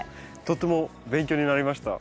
とても勉強になりました。